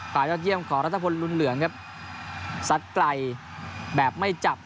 ภายลักษณ์เยี่ยมขอรัฐพนธ์หลุนเหลืองครับสัดไก่แบบไม่จับ